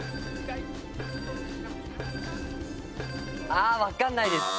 ああわかんないです。